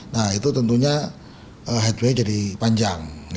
nah itu tentunya headway jadi panjang